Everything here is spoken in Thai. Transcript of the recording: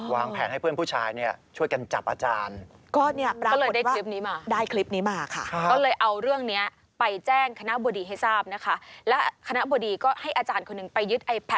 วางแผนให้เพื่อนผู้ชายช่วยกันจับอาจารย์